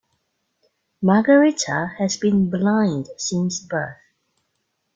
Margarita has been blind since birth.